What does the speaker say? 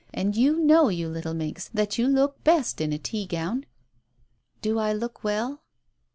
And you know, you little minx, that you look best in a tea gown." "Do I look well?"